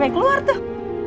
saya keluar tuh